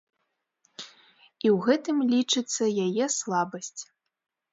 І ў гэтым, лічыцца, яе слабасць.